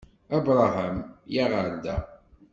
Abṛaham! Yya ɣer da!